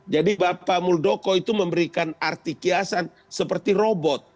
jadi bapak muldoko itu memberikan arti kiasan seperti robot